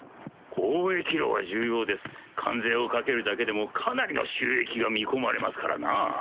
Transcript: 交易路は重要です関税をかけるだけでもかなりの収益が見込まれますからなぁ。